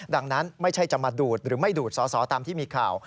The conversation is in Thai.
ดังนั้นไม่ใช่จะมาดูดหรือไม่ดูดสอสอตามที่มีข่าว